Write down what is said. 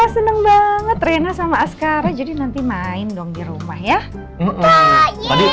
seneng banget rena sama askara jadi nanti main dong di rumah ya